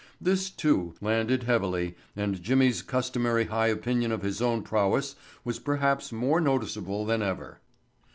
This, too, landed heavily and Jimmy's customary high opinion of his own prowess was perhaps more noticeable than ever.